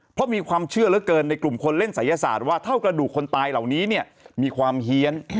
เพราะมีความเชื่อเหลือเกินในกลุ่มคนเล่นศัยศาสตร์ว่าเท่ากระดูกคนตายเหล่านี้เนี่ยมีความเฮียน